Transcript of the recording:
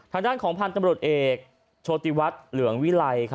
ทางด้านของพันธุ์ตำรวจเอกโชติวัฒน์เหลืองวิลัย